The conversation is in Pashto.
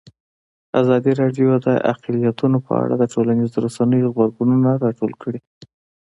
ازادي راډیو د اقلیتونه په اړه د ټولنیزو رسنیو غبرګونونه راټول کړي.